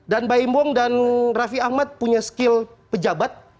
dan mbak im wong dan raffi ahmad punya skill pejabat